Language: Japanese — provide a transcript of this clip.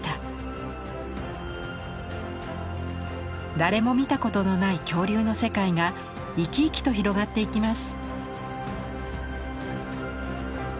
誰も見たことのない恐竜の世界が生き生きと広がっていきます。